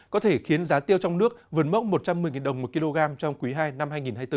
có thể khiến giá tiêu trong nước vươn mốc một trăm một mươi đồng một kg trong quý ii năm hai nghìn hai mươi bốn